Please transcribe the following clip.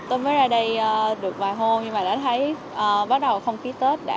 tôi mới ra đây được vài hôm nhưng mà đã thấy bắt đầu không khí tết đã rất là khó khăn